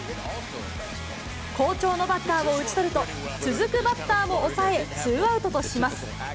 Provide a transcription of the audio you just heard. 好調のバッターを打ち取ると、続くバッターも抑え、ツーアウトとします。